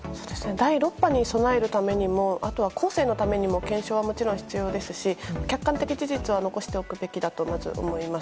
第６波に備えるためにもあとは後世のためにも検証はもちろん必要ですし客観的事実は残しておくべきだとまずは思います。